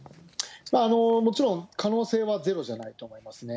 もちろん、可能性はゼロじゃないと思いますね。